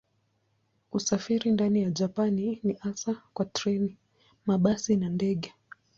Usafiri ndani ya Japani ni hasa kwa treni, mabasi na ndege.